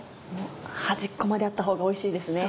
端っこまであったほうがおいしいですね。